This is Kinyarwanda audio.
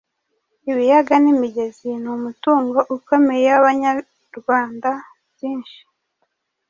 Ibiyaga n’imigezi ni umutungo ukomeye w’Abanyarwanda. Byinshi